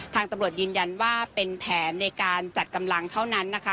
ทางตำรวจยืนยันว่าเป็นแผนในการจัดกำลังเท่านั้นนะคะ